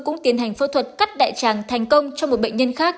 cũng tiến hành phẫu thuật cắt đại tràng thành công cho một bệnh nhân khác